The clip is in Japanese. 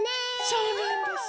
そうなんです。